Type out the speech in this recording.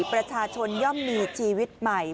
ประชาชนย่อมมีชีวิตใหม่